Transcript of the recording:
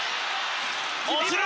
落ちる。